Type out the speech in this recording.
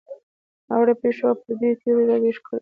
ناوړه پېښو او پردیو تیریو راویښ کړي دي.